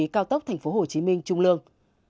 cao tốc tp hcm trung lương